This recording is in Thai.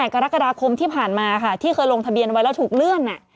กรกฎาคมที่ผ่านมาค่ะที่เคยลงทะเบียนไว้แล้วถูกเลื่อน